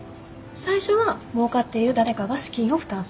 最初はもうかっている誰かが資金を負担する。